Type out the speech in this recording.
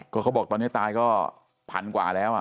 ก็เขาบอกตอนนี้ตายก็พันกว่าแล้ว